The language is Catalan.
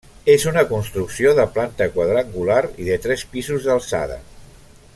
És una construcció de planta quadrangular i de tres pisos d'alçada.